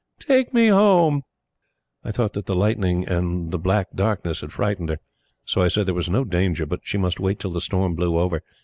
Take me home." I thought that the lightning and the black darkness had frightened her; so I said there was no danger, but she must wait till the storm blew over.